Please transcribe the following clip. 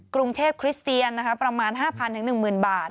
กรุงเทพคริสเตียนประมาณ๕๐๐๑๐๐บาท